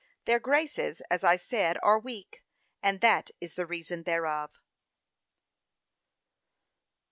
Their graces, as I said, are weak, and that is the reason thereof.